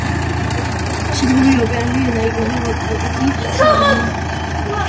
შემდგომში ოპერა დაიდგა კავკასიის, შუა აზიისა და ირანის სხვადასხვა ქალაქებში.